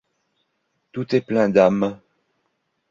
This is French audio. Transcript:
Tout est plein d’âmes.